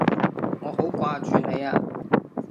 我好掛住你啊！